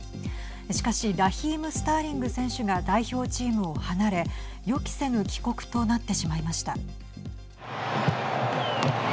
しかしラヒーム・スターリング選手が代表チームを離れ予期せぬ帰国となってしまいました。